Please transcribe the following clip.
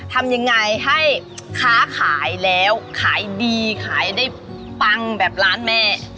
ทำยังไงให้ค้าขายแล้วขายดีขายได้ปังแบบร้านแม่